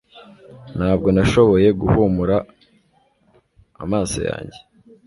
Ntabwo nashoboye guhumura amaso yanjye